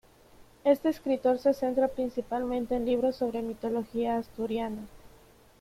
Este escritor se centra principalmente en libros sobre mitología asturiana.